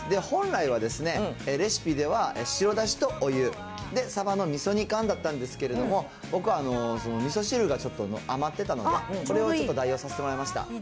本来は、レシピでは白だしとお湯、でサバのみそ煮缶だったんですけれども、僕はみそ汁がちょっと余ってたので、それをちょっと代用させてもらいました。